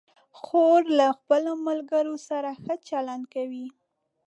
خور له خپلو ملګرو سره ښه چلند کوي.